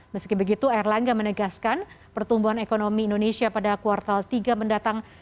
meski begitu erlangga menegaskan pertumbuhan ekonomi indonesia pada kuartal tiga mendatang